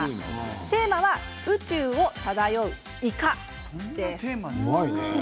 テーマは「宇宙を漂うイカ」です。